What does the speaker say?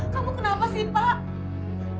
kamu kenapa sih pak